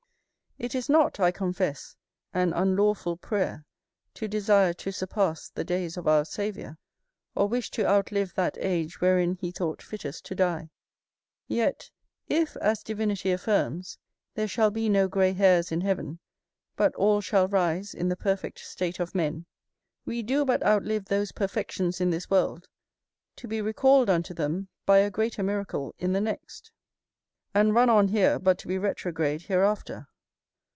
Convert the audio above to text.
It is not, I confess, an unlawful prayer to desire to surpass the days of our Saviour, or wish to outlive that age wherein he thought fittest to die; yet, if (as divinity affirms) there shall be no grey hairs in heaven, but all shall rise in the perfect state of men, we do but outlive those perfections in this world, to be recalled unto them by a greater miracle in the next, and run on here but to be retrograde hereafter.